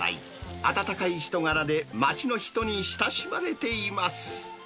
温かい人柄で、町の人に親しまれています。